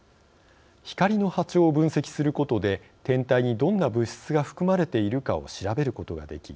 光の波長を分析することで天体にどんな物質が含まれているかを調べることができ